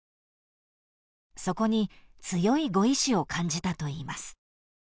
［そこに強いご意思を感じたといいます］